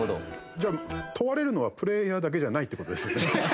じゃあ問われるのはプレーヤーだけじゃないって事ですよね。